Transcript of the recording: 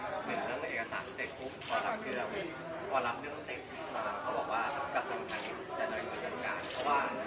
คือพอรับเรื่องเสร็จเขาบอกว่ากระทุกขณะนี้จะได้กดจันการเพราะว่าด้วยทางของเรามันไม่สามารถทำอะไรได้แล้ว